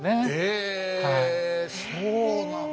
ええそうなんだ。